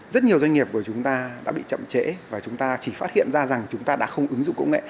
rất nhiều doanh nghiệp của chúng ta đã bị chậm trễ và chúng ta chỉ phát hiện ra rằng chúng ta đã không ứng dụng công nghệ